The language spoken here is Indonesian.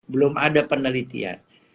belum ada penelitian